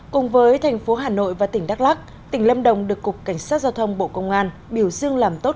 cùng với tp hcm và tp đắc lắc tp lâm đồng được cục cảnh sát giao thông bộ công an biểu dương làm tốt